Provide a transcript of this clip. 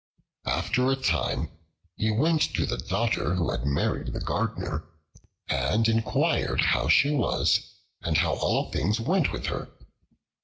After a time he went to the daughter who had married the gardener, and inquired how she was and how all things went with her.